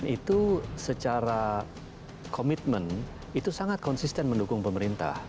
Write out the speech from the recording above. itu secara komitmen itu sangat konsisten mendukung pemerintah